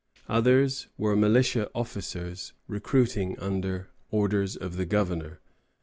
Others were militia officers recruiting under orders of the Governor.